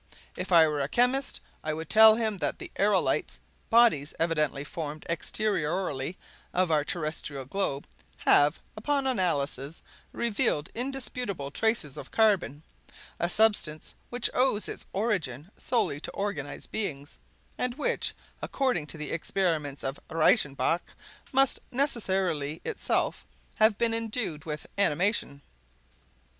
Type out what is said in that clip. If I were a chemist, I would tell him that the aerolites, bodies evidently formed exteriorly of our terrestrial globe, have, upon analysis, revealed indisputable traces of carbon, a substance which owes its origin solely to organized beings, and which, according to the experiments of Reichenbach, must necessarily itself have been endued with animation.